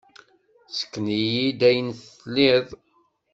Ssken-iyi-d ayen tlid.